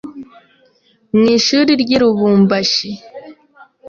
mu ishuri ry’i Lubumbashi